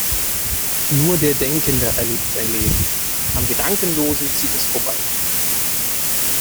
Nur der Denkende erlebt sein Leben, am Gedankenlosen zieht es vorbei.